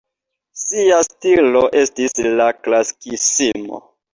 Sia stilo estis la klasikismo.